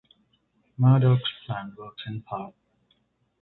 Murdock's plan works in part.